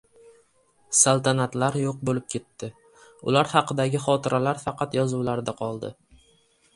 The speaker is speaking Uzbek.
Saltanatlar yo‘q bo‘lib ketdi, ular haqidagi xotiralar faqat yozuvlarda qoldi.